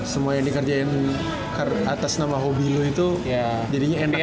semua yang dikerjain ke atas nama hobi lo itu jadinya enak sendiri ya